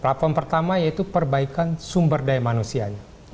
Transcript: platform pertama yaitu perbaikan sumber daya manusianya